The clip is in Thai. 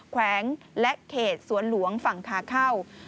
แขวงและเขตสวนหลวงฝั่งขาเข้า